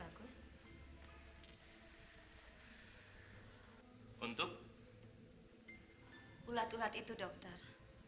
untuk ulat ulat itu dokter